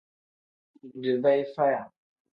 Dii feyi faya.